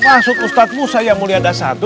maksud ustaz musa yang mulia dasar itu